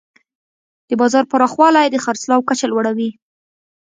د بازار پراخوالی د خرڅلاو کچه لوړوي.